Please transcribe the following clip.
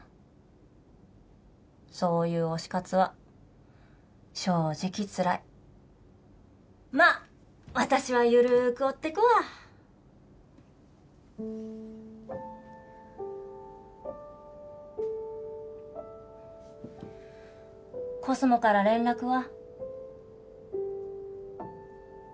そういう推し活は正直つらいまぁ私は緩く追ってくわコスモから連絡は？